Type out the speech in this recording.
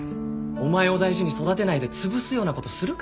お前を大事に育てないでつぶすようなことするから。